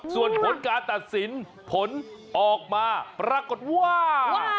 ส่วนผลการตัดสินผลออกมาปรากฏว่า